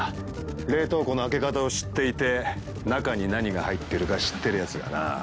冷凍庫の開け方を知っていて中に何が入ってるか知ってるヤツがな。